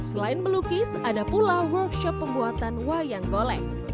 selain melukis ada pula workshop pembuatan wayang golek